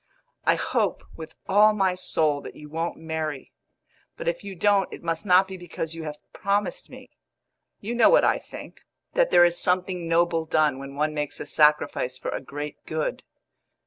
I hope with all my soul that you won't marry; but if you don't it must not be because you have promised me. You know what I think that there is something noble done when one makes a sacrifice for a great good.